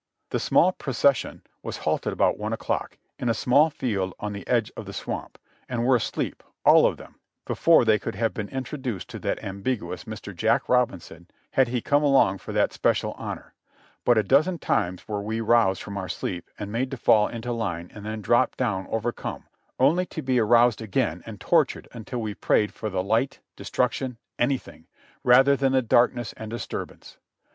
The small procession was halted about one o'clock, in a small field on the edge of the swamp, and were asleep, all of them, before they could have been introduced to that ambiguous Mr. Jack Robinson had he come along for that special honor; but a dozen times were we aroused from our rest and made to fall into line SIGHTS AND SCENES IN PRISON 197 and then drop down overcome, only to be aroused again and tor tured until we prayed for the light — destruction — anything, rather than the darkness and disturbance.